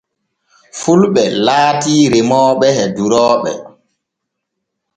Fulɓe laati remooɓe e durooɓe.